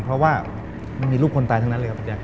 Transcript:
เพราะว่ามันมีลูกคนตายทั้งนั้นเลยครับพี่แจ๊